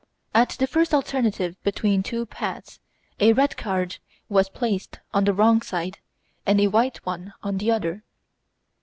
At the first alternative between two paths, a red card was placed on the wrong side and a white one on the other.